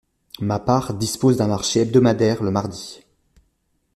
Mapare dispose d'un marché hebdomadaire le mardi.